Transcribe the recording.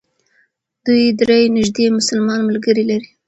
دوی درې نژدې مسلمان ملګري لري.